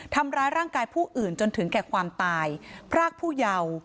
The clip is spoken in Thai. ทำร้ายร่างกายผู้อื่นจนถึงแก่ความตายพรากผู้เยาว์